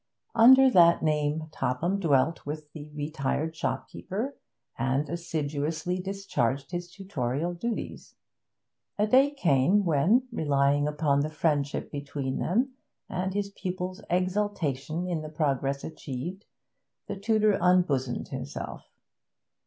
Under that name Topham dwelt with the retired shopkeeper, and assiduously discharged his tutorial duties. A day came when, relying upon the friendship between them, and his pupil's exultation in the progress achieved, the tutor unbosomed himself.